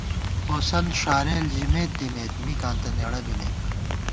ہوسند ݭارېل ژِمېتدِمېت مِکاں تہ نېڑہ بِمېک